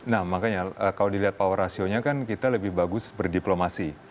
nah makanya kalau dilihat power rasionya kan kita lebih bagus berdiplomasi